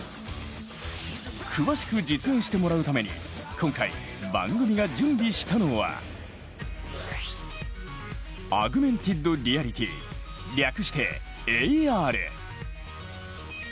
詳しく実演してもらうために今回、番組が準備したのはアグメンティッド・リアリティー、略してＡＲ。